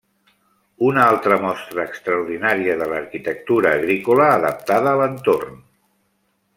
Una altra mostra extraordinària de l'arquitectura agrícola adaptada a l'entorn.